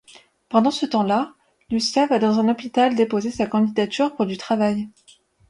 Pendant ce temps-là, Lucía va dans un hôpital déposer sa candidature pour du travail.